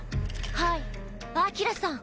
はいアキラさん。